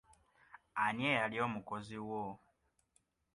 Ani eyali omukozi wo?